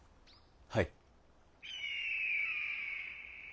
はい。